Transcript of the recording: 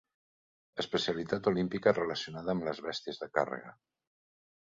Especialitat olímpica relacionada amb les bèsties de càrrega.